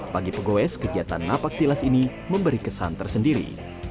bagi pegoes kegiatan napak tilas ini memberi kesan tersendiri